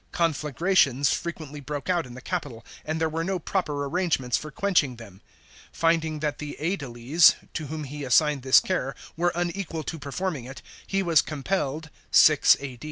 Conflagrations frequently broke out in the capital, and there were'no proper arrangements for quench ing them. Finding that the sediles, to whom he assigned this care, were unequal to performing it, he was compelled (6 A.